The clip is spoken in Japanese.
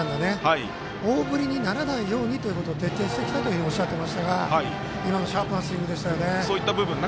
大振りにならないようにということを徹底してきたとおっしゃっていましたがシャープなスイングでしたね。